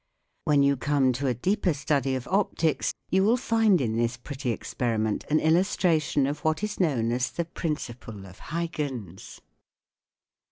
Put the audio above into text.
When you come to a deeper study of optics you will find in this pretty experiment an illustration of what is known as the principle of Huyghens.